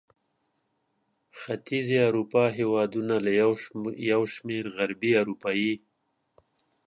ختیځې اروپا هېوادونه له یو شمېر غربي اروپايي